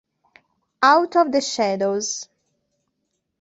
Out of the Shadows